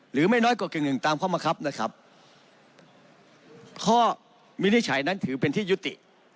ไม่น้อยกว่ากึ่งหนึ่งตามข้อมะครับนะครับข้อวินิจฉัยนั้นถือเป็นที่ยุติ